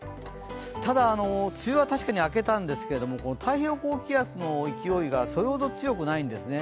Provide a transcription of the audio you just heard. ただ、梅雨は確かに明けたんですけど、太平洋高気圧の勢いがそれほど強くないんですね。